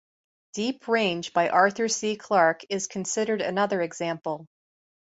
"Deep Range" by Arthur C. Clarke is considered another example.